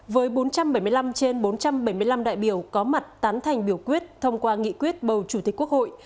với bốn trăm bảy mươi năm trên bốn trăm bảy mươi năm đại biểu có mặt tán thành biểu quyết thông qua nghị quyết bầu chủ tịch quốc hội